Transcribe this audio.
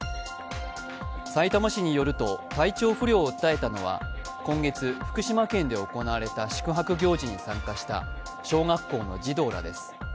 さいたま市によると、体調不良を訴えたのは今月福島県で行われた宿泊行事に参加した小学校の児童らです。